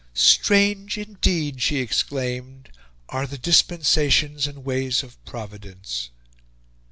"Strange indeed," she exclaimed, "are the dispensations and ways of Providence!"